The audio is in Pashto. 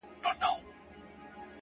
o مـــــه كـــــوه او مـــه اشـــنـــا،